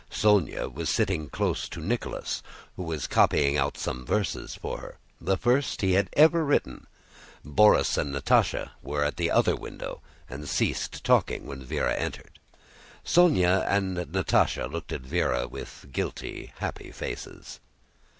Sónya was sitting close to Nicholas who was copying out some verses for her, the first he had ever written. Borís and Natásha were at the other window and ceased talking when Véra entered. Sónya and Natásha looked at Véra with guilty, happy faces.